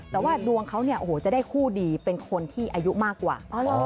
แต่ว่าดวงเขาจะได้คู่ดีเป็นคนที่อายุมากกว่า